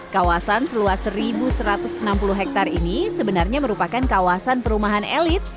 kawasan seluas satu satu ratus enam puluh hektare ini sebenarnya merupakan kawasan perumahan elit